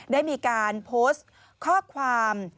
ได้มีการโพสต์ข้อความ